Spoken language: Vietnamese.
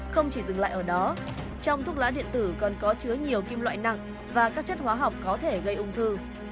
không chỉ dừng lại ở đó trong thuốc lá điện tử còn có chứa nhiều kim loại nặng và các chất hóa học có thể gây ung thư